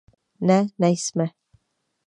Ne, nejsme.